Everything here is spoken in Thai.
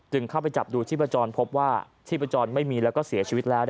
เข้าไปจับดูชีพจรพบว่าชีพจรไม่มีแล้วก็เสียชีวิตแล้ว